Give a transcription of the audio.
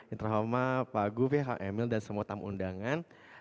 interhoma pak gufie pak emil dan semua tamu undangan